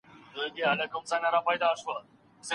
مستري به په اوږه باندي ګڼ توکي راوړي.